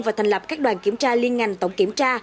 và thành lập các đoàn kiểm tra liên ngành tổng kiểm tra